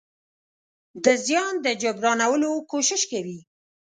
د زيان د جبرانولو کوشش کوي.